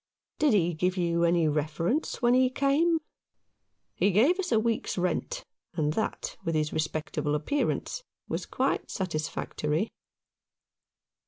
" Did he give you any reference when he came ?"" He gave us a week's rent, and that, with his respectable appearance, was quite satisfactory."